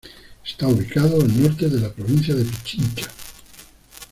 Está ubicado el norte de la provincia de Pichincha.